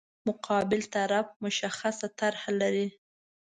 مقابل طرف مشخصه طرح لري.